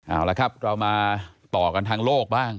เอาละครับเรามาต่อกันทางโลกบ้าง